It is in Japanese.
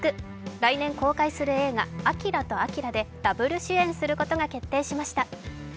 来年公開する映画「アキラとあきら」でＷ主演することが明らかになりました。